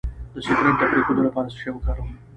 د سګرټ د پرېښودو لپاره څه شی وکاروم؟